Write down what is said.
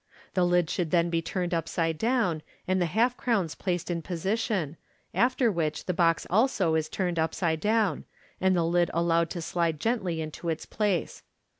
The lid should then be turned upside down, and the half crowns placed in position, after which the box also is turned upside down, and the lid allowed to slide gently into its place.